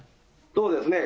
そうですね。